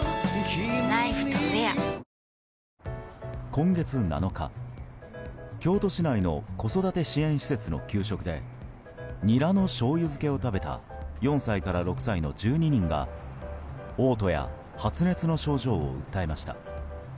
今月７日、京都市内の子育て支援施設の給食でニラのしょうゆ漬けを食べた４歳から６歳の１２人が嘔吐や発熱の症状を訴えました。